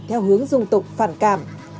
theo hướng dung tục phản cảm